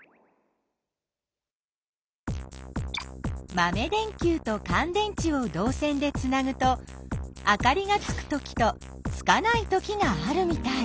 まめ電きゅうとかん電池をどう線でつなぐとあかりがつくときとつかないときがあるみたい。